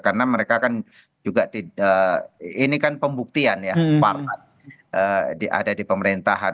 karena mereka kan juga tidak ini kan pembuktian ya parah diada di pemerintahan